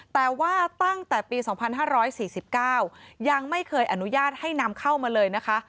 แต่ว่าตั้งแต่ปี๒๕๔๙ยังไม่เคยอนุญาตให้นำเข้ามาเลยนะคะ